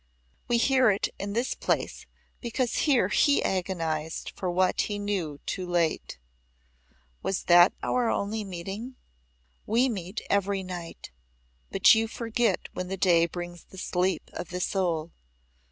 We hear it in this place because here he agonized for what he knew too late." "Was that our only meeting?" "We meet every night, but you forget when the day brings the sleep of the soul.